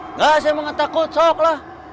nggak saya mah takut sok lah